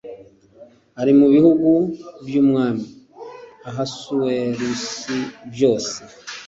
ari mu bihugu by’Umwami Ahasuwerusi byose